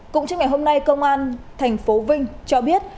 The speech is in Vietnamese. cũng trước ngày hôm nay công an tp vinh cho biết